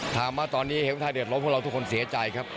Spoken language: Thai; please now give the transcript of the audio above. ถามว่าตอนนี้เหตุผลทางเดิมรถพวกเราทุกคนเสียใจครับ